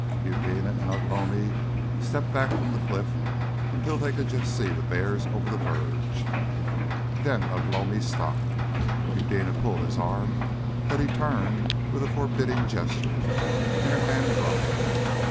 Eudena and Ugh lomi stepped back from the cliff until they could just see the bears over the verge. Then Ugh lomi stopped. Eudena pulled his arm, but he turned with a forbidding gesture, and her hand dropped.